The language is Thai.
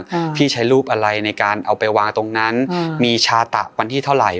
ค่ะพี่ใช้รูปอะไรในการเอาไปวางตรงนั้นอืมมีชาตะวันที่เท่าไหร่